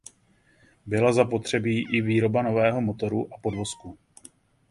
Byla zapotřebí i výroba nového motoru a podvozku.